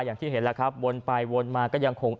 อย่างที่เห็นแล้วครับวนไปวนมาก็ยังคง